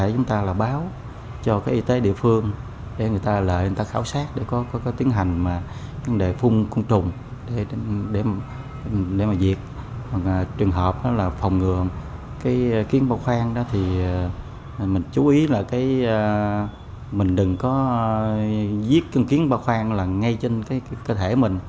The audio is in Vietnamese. nhưng khi kiến bà khoang xuất hiện thì mình chú ý là mình đừng có giết kiến bà khoang ngay trên cơ thể mình